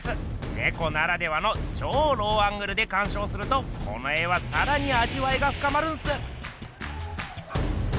ねこならではのちょうローアングルでかんしょうするとこの絵はさらにあじわいがふかまるんす！